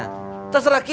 kita yang beli barangnya